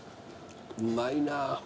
うまいなぁ。